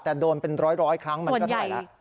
แต่โดนเป็นร้อยครั้งมันก็ถ่ายแล้ว